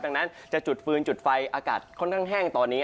ดังนั้นจะจุดฟืนจุดไฟอากาศค่อนข้างแห้งตอนนี้